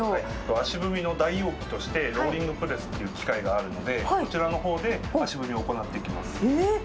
足踏みの代用機として、ローリングプレスという機械があるので、こちらのほうで足踏みをえ？